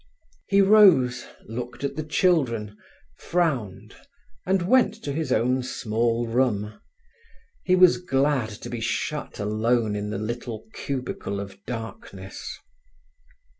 He rose, looked at the children, frowned, and went to his own small room. He was glad to be shut alone in the little cubicle of darkness.